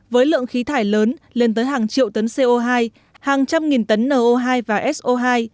với lượng khí thải lớn lên tới hàng triệu tấn co hai hàng trăm nghìn tấn no hai và so hai